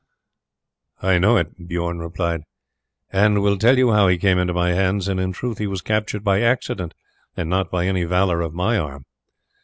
"I know it," Bijorn replied, "and will tell you how he came into my hands, and in truth he was captured by accident and not by any valour of my arm."